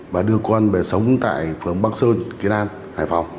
và đưa con về sống tại phường bắc sơn kiến an hải phòng